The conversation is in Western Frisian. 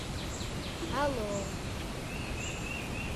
It lûd kaam oer de limyt fan hûndert desibel hinne.